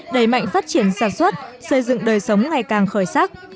đẩy mạnh phát triển sản xuất xây dựng đời sống ngày càng khởi sắc